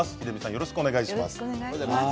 よろしくお願いします。